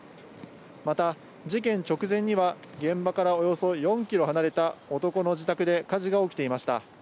また事件直前には、現場からおよそ４キロ離れた男の自宅で火事が起きていました。